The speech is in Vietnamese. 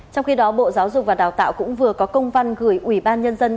trong khi đó bộ giáo dục và đào tạo cũng vừa có công văn gửi ủy ban nhân dân